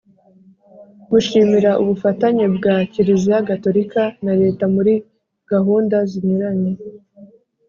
Gushimira ubufatanye bwa Kiliziya Gatolika na Leta muri gahunda zinyuranye